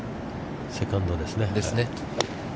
セカンドですね。